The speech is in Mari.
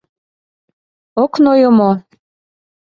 — Ок нойо мо?